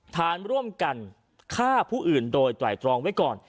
ฐานร่วมกันฆ่าผู้อื่นโดยไตรตรองไว้ก่อน